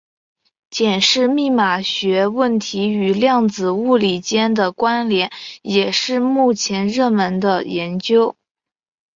检视密码学问题与量子物理间的关连也是目前热门的研究。